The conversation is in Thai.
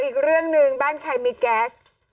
อีกเรื่องหนึ่งบ้านใครมีแก๊ส